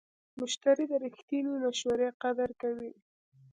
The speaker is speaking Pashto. مشتری د رښتینې مشورې قدر کوي.